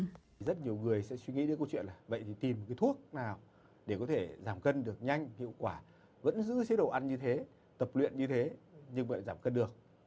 thì rất nhiều người sẽ suy nghĩ đến câu chuyện là vậy thì tìm cái thuốc nào để có thể giảm cân được nhanh hiệu quả vẫn giữ chế độ ăn như thế tập luyện như thế nhưng vậy giảm cân được